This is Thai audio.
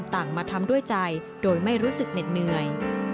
มาทำด้วยใจโดยไม่รู้สึกเหน็ดเหนื่อย